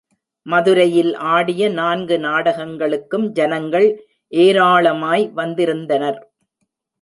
மதுரையில் ஆடிய நான்கு நாடகங்களுக்கும் ஜனங்கள் ஏராளமாய் வந்திருந்தனர்.